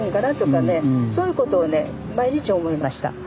そういうことをね毎日思いました。